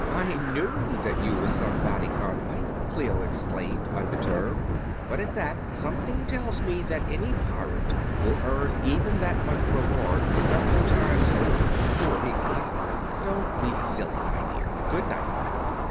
I knew that you were somebody, Conway!" Clio exclaimed, undeterred. "But at that, something tells me that any pirate will earn even that much reward several times over before he collects it. Don't be silly, my dear goodnight."